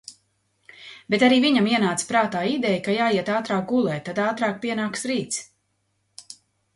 Bet arī viņam ienāca prātā ideja, ka jāiet ātrāk gulēt, tad ātrāk pienāks rīts.